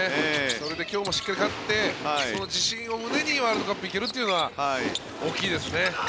それで今日もしっかり勝ってその自信を胸にワールドカップに行けるというのは大きいですね。